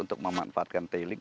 untuk memanfaatkan tailing